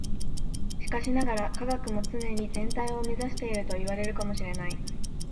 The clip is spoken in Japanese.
しかしながら、科学も常に全体を目指しているといわれるかも知れない。